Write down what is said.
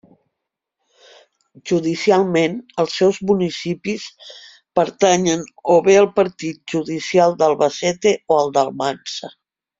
Judicialment els seus municipis pertanyen o bé al partit judicial d'Albacete o al d'Almansa.